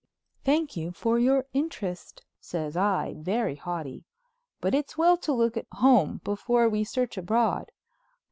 "Thank you for your interest," says I, very haughty, "but it's well to look at home before we search abroad.